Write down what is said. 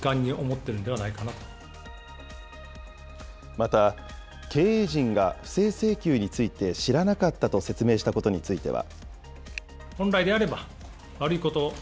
また、経営陣が不正請求について知らなかったと説明したことについては。